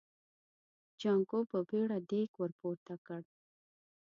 جانکو په بيړه دېګ ور پورته کړ.